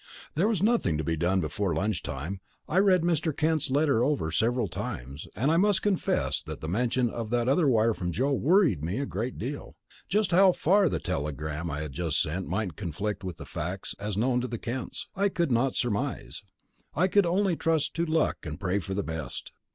There was nothing to be done before lunch time. I read Mr. Kent's letter over several times, and I must confess that the mention of that other wire from Joe worried me a good deal. Just how far the telegram I had just sent might conflict with the facts as known to the Kents, I could not surmise. I could only trust to luck and pray for the best.